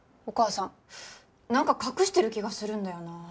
お母さん何か隠してる気がするんだよな